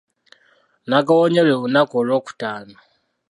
Nagawonye lwe lunaku olwokutaano.